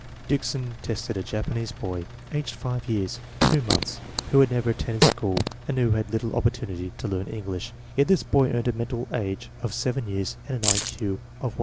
Dickson tested a Japanese boy, aged five years, two months, who had never attended school and who had had little opportunity to learn English; yet this boy earned a mental age of seven years and an I Q of 133.